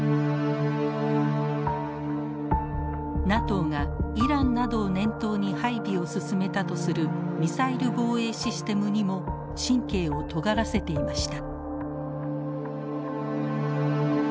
ＮＡＴＯがイランなどを念頭に配備を進めたとするミサイル防衛システムにも神経をとがらせていました。